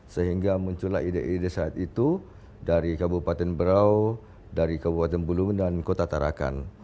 sehingga muncullah ide ide saat itu dari kabupaten berau dari kabupaten bulungan dan kota tarakan